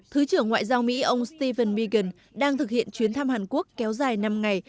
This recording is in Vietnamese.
thứ trưởng ngoại giao mỹ ông stephen pagan đang thực hiện chuyến thăm hàn quốc kéo dài năm ngày